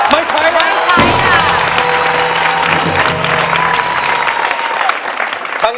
ไม่ใช้ไง